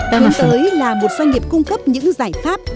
hướng tới là một doanh nghiệp cung cấp những giải pháp